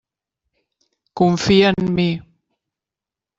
Confia en mi.